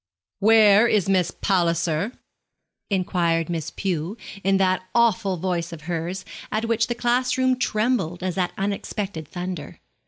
'Where is Miss Palliser?' inquired Miss Pew, in that awful voice of hers, at which the class room trembled, as at unexpected thunder.